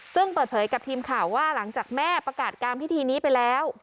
ซึ่งเปิดเผยกับทีมข่าวว่าหลังจากแม่ประกาศการพิธีนี้ไปแล้ว